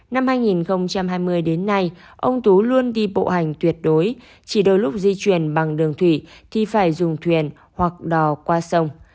năm hai nghìn hai mươi đến nay ông tú luôn đi bộ hành tuyệt đối chỉ đôi lúc di chuyển bằng đường thủy thì phải dùng thuyền hoặc đò qua sông